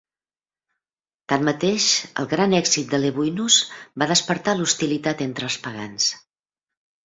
Tanmateix, el gran èxit de Lebuinus va despertar l'hostilitat entre els pagans.